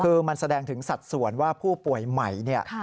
คือมันแสดงถึงสัดส่วนว่าผู้ป่วยใหม่เนี่ย